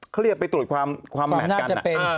เขาเรียกว่าไปตรวจความมหัดกัน